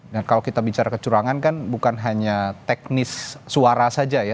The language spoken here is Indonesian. dan kalau kita bicara kecurangan kan bukan hanya teknis suara saja ya